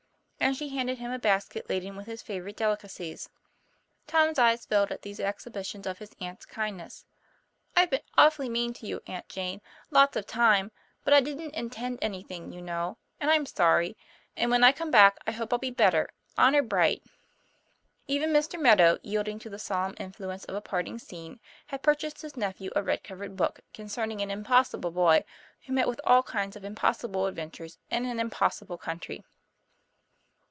And she handed him a basket laden with his favorite delicacies. Tom's eyes filled at these exhibitions of his aunt's kindness. 'I've been awful mean to you, Aunt Jane, lots of time; but I didn't intend anything, you know; and I'm sorry. And when I come back I hope I'll be better honor bright." Even Mr. Meadow, yielding to the solemn influ ence of a parting scene, had purchased his nephew a red covered book, concerning an impossible boy, who met with all kinds of impossible adventures in an impossible country.